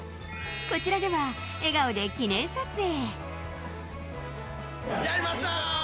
こちらでは笑顔で記念撮影。